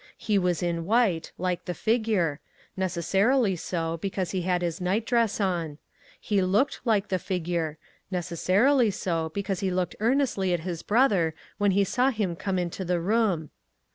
He was in white, like the figure—necessarily so, because he had his night dress on. He looked like the figure—necessarily so, because he looked earnestly at his brother when he saw him come into the room.